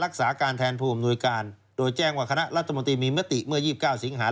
รักษาการแทนผู้อำนวยการโดยแจ้งว่าคณะรัฐมนตรีมีมติเมื่อ๒๙สิงหา